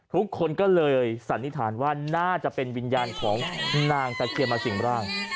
ทุกคนก็เลยสันนิษฐานว่าน่าจะเป็นวิญญาณของนางตะเคียนมาสิ่งร่าง